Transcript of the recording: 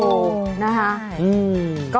โอ้นะฮะ